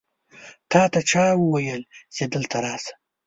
تاته چا وویل چې دلته راشه؟